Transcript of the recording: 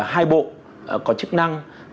hai bộ có chức năng